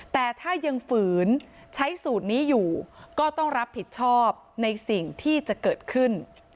แต่ถ้ายังฝืนใช้สูตรนี้อยู่ก็ต้องรับผิดชอบในสิ่งที่จะเกิดขึ้น